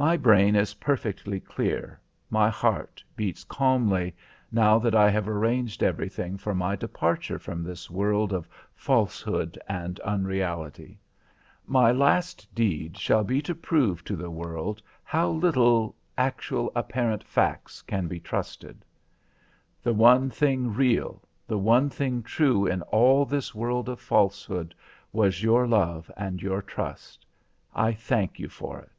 My brain is perfectly clear, my heart beats calmly, now that I have arranged everything for my departure from this world of falsehood and unreality. My last deed shall go to prove to the world how little actual, apparent facts can be trusted. The one thing real, the one thing true in all this world of falsehood was your love and your trust. I thank you for it.